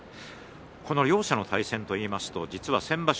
この両者の対戦といいますと実は先場所